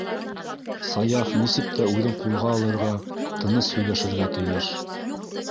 Саяф нисек тә үҙен ҡулға алырға, тыныс һөйләшергә тейеш.